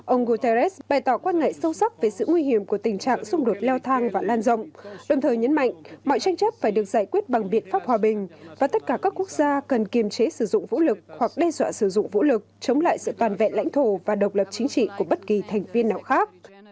ông guterres bày tỏ quan ngại sâu sắc về sự nguy hiểm của tình trạng xung đột leo thang và lan rộng đồng thời nhấn mạnh mọi tranh chấp phải được giải quyết bằng biện pháp hòa bình và tất cả các quốc gia cần kiềm chế sử dụng vũ lực hoặc đe dọa sử dụng vũ lực chống lại sự toàn vẹn lãnh thổ và độc lập chính trị của bất kỳ thành viên nào khác